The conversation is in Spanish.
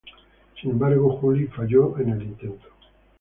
Sin embargo Juli falló en el intento.